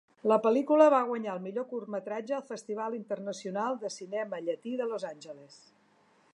La pel·lícula va guanyar el millor curtmetratge al Festival Internacional de Cinema Llatí de Los Angeles.